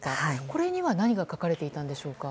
これには何が書かれていたんでしょうか。